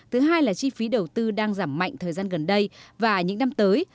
thứ hai là chi phí đầu tư đang giảm mạnh thời gian gần đây và những năm tới